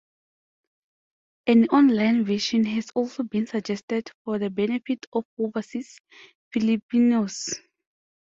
An online version has also been suggested for the benefit of overseas Filipinos.